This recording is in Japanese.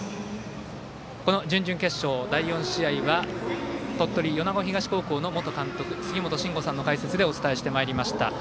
この準々決勝、第４試合は鳥取元米子東高校監督杉本真吾さんの解説でお伝えしてまいりました。